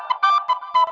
kau mau kemana